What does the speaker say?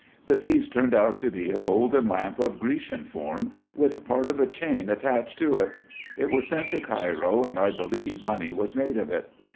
The piece turned out to be a golden lamp of Grecian form, with part of a chain attached to it. It was sent to Cairo, and I believe money was made of it.